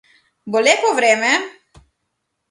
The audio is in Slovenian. Bo lepo vreme?